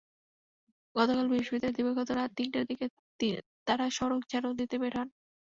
গতকাল বৃহস্পতিবার দিবাগত রাত তিনটার দিকে তাঁরা সড়ক ঝাড়ু দিতে বের হন।